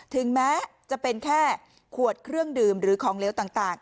ถึงแม้จะเป็นแค่ขวดเครื่องดื่มหรือของเลวต่าง